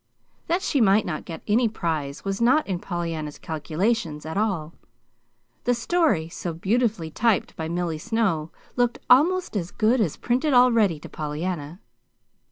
That she might not get any prize was not in Pollyanna's calculations at all. The story, so beautifully typed by Milly Snow, looked almost as good as printed already to Pollyanna.